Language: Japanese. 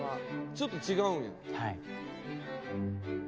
「ちょっと違うんや」